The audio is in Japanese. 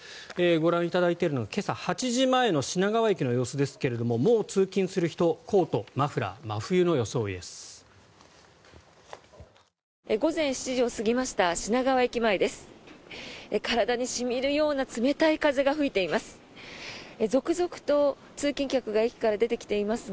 ご覧いただいているのは今朝８時前の品川駅の様子ですがもう通勤する人コート、マフラー真冬の装いです。